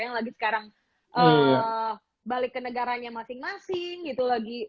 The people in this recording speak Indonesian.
yang lagi sekarang balik ke negaranya masing masing